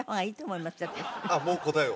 ああもう答えを？